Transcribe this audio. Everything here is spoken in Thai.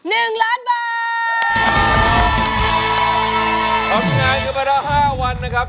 ทำงานก็ไปละ๕วันนะครับ